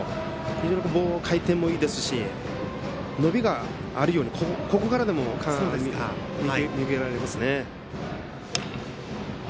非常に回転もいいですし伸びがあるようにここからでも見受けられますね。